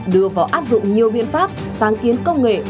đưa vào áp dụng nhiều biện pháp sáng kiến công nghệ